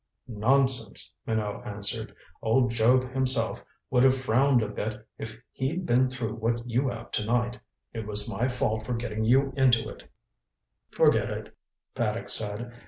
"Nonsense," Minot answered. "Old Job himself would have frowned a bit if he'd been through what you have to night. It was my fault for getting you into it " "Forget it," Paddock said.